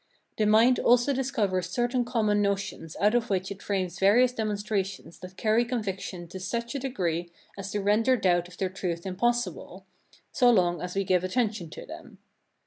The mind also discovers certain common notions out of which it frames various demonstrations that carry conviction to such a degree as to render doubt of their truth impossible, so long as we give attention to them.